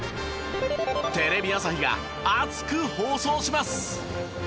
テレビ朝日が熱く放送します！